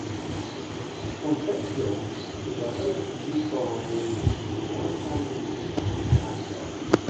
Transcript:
Concepcion is a host to beautiful islands with white sand beaches and sandbars.